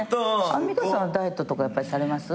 アンミカさんダイエットとかされます？